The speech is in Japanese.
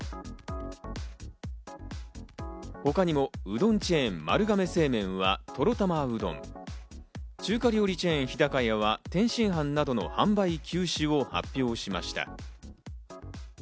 他にも、うどんチェーン・丸亀製麺はとろ玉うどん、中華料理チェーン・日高屋は天津飯などの販売休止を発表しました。